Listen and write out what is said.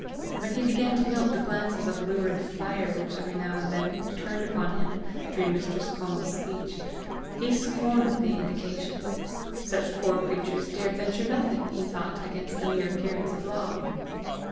When he began to note the glances of lurid fire which every now and then turned upon him during Mistress Conal's speech, he scorned the indication: such poor creatures dared venture nothing, he thought, against the mere appearance of law.